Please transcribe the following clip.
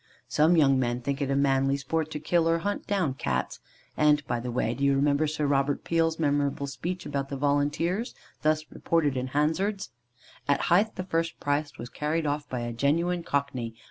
Some young men think it a manly sport to kill or hunt down Cats; and, by the way, do you remember Sir Robert Peel's memorable speech about the Volunteers, thus reported in Hansard?: "At Hythe the first prize was carried off by a genuine Cockney.